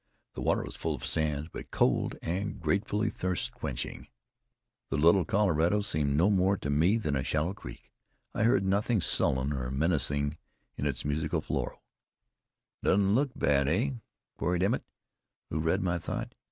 The water was full of sand, but cold and gratefully thirst quenching. The Little Colorado seemed no more to me than a shallow creek; I heard nothing sullen or menacing in its musical flow. "Doesn't look bad, eh?" queried Emmett, who read my thought.